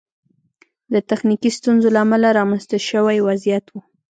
د تخنیکي ستونزو له امله رامنځته شوی وضعیت و.